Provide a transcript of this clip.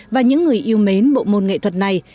và những người yêu mến bộ môn nghệ thuật này